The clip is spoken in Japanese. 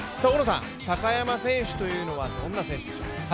高山選手というのはどんな選手ですか？